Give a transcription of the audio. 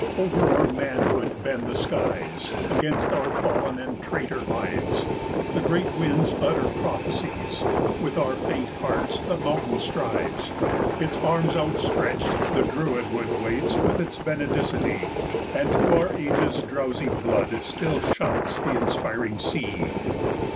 Over our manhood bend the skies; Against our fallen and traitor lives The great winds utter prophecies: 15 With our faint hearts the mountain strives; Its arms outstretched, the druid wood Waits with its benedicite; And to our age's drowsy blood Still shouts the inspiring sea.